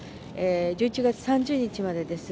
１１月３０日までです。